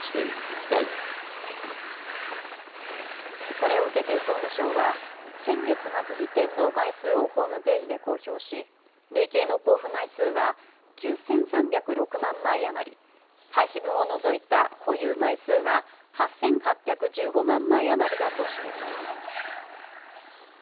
これを受けて総務省は先月末時点の枚数をホームページで公表し累計の交付枚数は９３０６万枚余り、廃止分を除いた保有枚数は８８１５万枚余りだとしています。